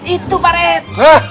itu pak red